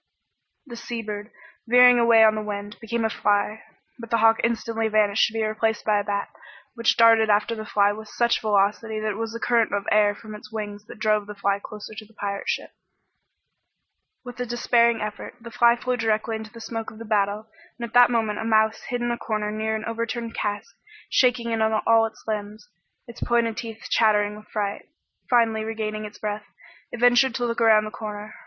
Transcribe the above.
The sea bird, veering away on the wind, became a fly, but the hawk instantly vanished to be replaced by a bat, which darted after the fly with such velocity that it was the current of air from its wings that drove the fly closer to the pirate ship. With a despairing effort, the fly flew directly into the smoke of the battle, and at that moment a mouse hid in a corner near an overturned cask shaking in all its limbs, its pointed teeth chattering with fright. Finally regaining its breath, it ventured to look around the corner.